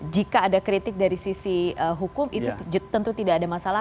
jika ada kritik dari sisi hukum itu tentu tidak ada masalah